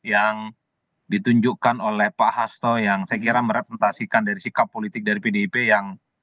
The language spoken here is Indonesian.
yang ditunjukkan oleh pak hasto yang saya kira merepresentasikan dari sikap politik dari pdip yang